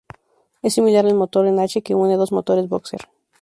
Es similar al motor en H que une dos motores boxer.